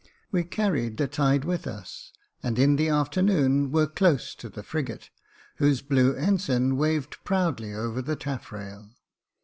We carried the tide with us, and in the afternoon were close to the frigate, whose blue ensign waved proudly over the tafFrail.